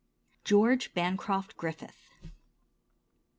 George Bancroft Griffith.